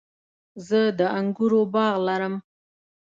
زه د انګورو باغ لرم